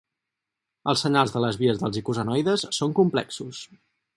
Els senyals de les vies dels icosanoides són complexos.